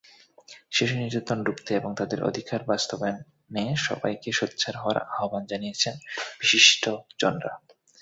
শিশু নির্যাতন রুখতে এবং তাদের অধিকার বাস্তবায়নে সবাইকে সোচ্চার হওয়ার আহ্বান জানিয়েছেন বিশিষ্টজনরা।